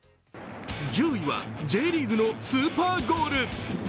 １０位はＪリーグのスーパーゴール。